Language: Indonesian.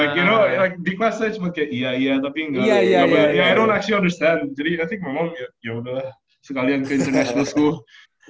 like you know di kelas saya cuma kayak iya iya tapi nggak i don t actually understand jadi i think my mom yaudah sekalian ke international school